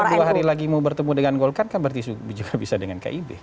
kalau dua hari lagi mau bertemu dengan golkar kan berarti juga bisa dengan kib